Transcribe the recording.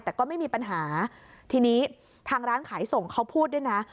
แต่ก็ไม่มีปัญหาทีนี้ทางร้านขายส่งเขาพูดด้วยนะ